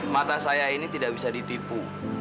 mata saya ini tidak bisa ditipu